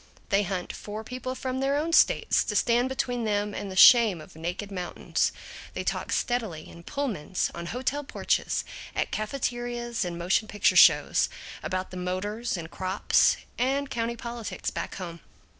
They hunt for people from their own states to stand between them and the shame of naked mountains; they talk steadily, in Pullmans, on hotel porches, at cafeterias and motion picture shows, about the motors and crops and county politics back home.